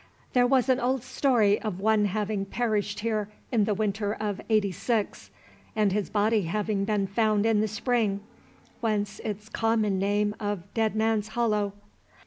There was an old story of one having perished here in the winter of '86, and his body having been found in the spring, whence its common name of "Dead Man's Hollow."